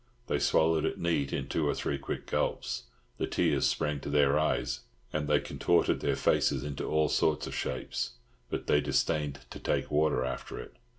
They swallowed it neat, in two or three quick gulps. The tears sprang to their eyes, and they contorted their faces into all sorts of shapes; but they disdained to take water after it.